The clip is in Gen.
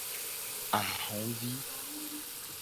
Ahovi.